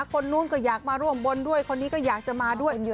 คนนู้นก็อยากมาร่วมบนด้วยคนนี้ก็อยากจะมาด้วย